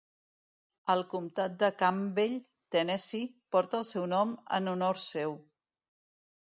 El comptat de Campbell, Tennessee, porta el seu nom en honor seu.